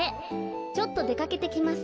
ちょっとでかけてきます。